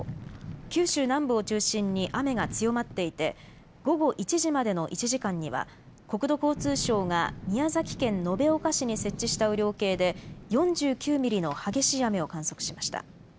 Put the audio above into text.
九州南部を中心に雨が強まっていて午後１時までの１時間には国土交通省が宮崎県延岡市に設置した雨量計で４９ミリの激しい雨を観測しました。